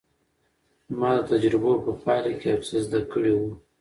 ما د تجربو په پايله کې يو څه زده کړي وو.